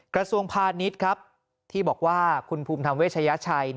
กระทรวงพาณิชย์ครับที่บอกว่าคุณภูมิธรรมเวชยชัย